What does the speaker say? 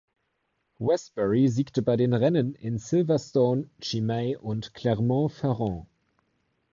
Westbury siegte bei den Rennen in Silverstone, Chimay und Clermont-Ferrand.